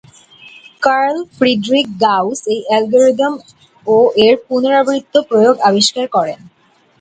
Curl Friedrich Gauss এই algorithm ও এর পুনরাবৃত্ত প্রয়োগ আবিষ্কার করেন।